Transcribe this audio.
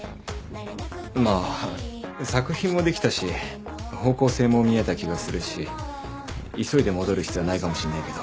まあ作品もできたし方向性も見えた気がするし急いで戻る必要ないかもしんないけど。